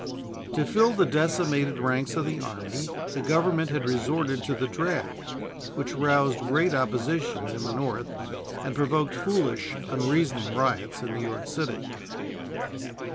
To fill the decimated ranks of the army, the Government had resorted to the draft, which roused great opposition in the North and provoked foolish, unreasoning riots in New York City.